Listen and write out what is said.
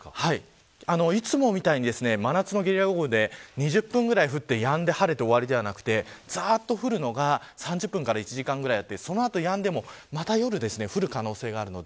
いつもみたいに真夏のゲリラ豪雨で２０分ぐらい降ってやんで晴れて終わりではなくてざーっと降るのが、３０分から１時間ぐらいあってその後、やんでもまた夜に降る可能性があります。